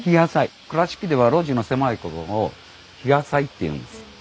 倉敷では路地の狭いことを「ひやさい」っていうんです。